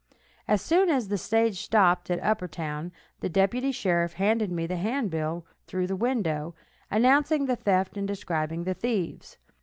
As soon as the stage stopped at upper town, the deputy sheriff handed me the handbill through the window, announcing the theft and describing the thieves.